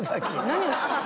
何が。